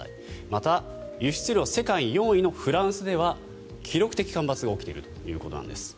また、輸出量世界４位のフランスでは記録的干ばつが起きているということです。